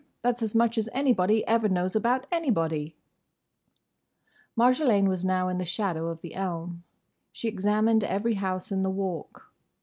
That's as much as anybody ever knows about anybody!" Marjolaine was now in the shadow of the elm. She examined every house in the Walk.